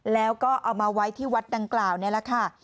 แล้วก็เอามาไว้ที่วัดดังกล่าวนี่แหละค่ะ